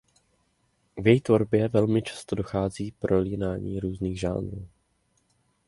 V její tvorbě velmi často dochází k prolínání různých žánrů.